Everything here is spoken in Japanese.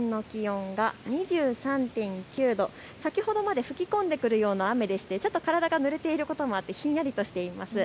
６時半現在の都心の気温が２３．９度、先ほどまで吹き込んでくるような雨でしてちょっと体がぬれていることもあってひんやりとしています。